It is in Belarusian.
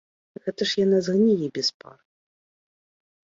Гэта ж яна згніе без пары.